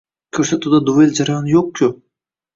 Koʻrsatuvda duel jarayoni yoʻq-ku!